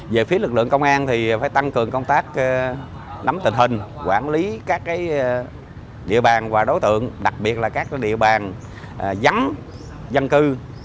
về phía lực lượng công an thì phải tăng cường công tác nắm tình hình quản lý các địa bàn và đối tượng đặc biệt là các địa bàn dắn dân cư